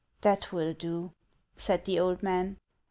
" That will do," said the old man.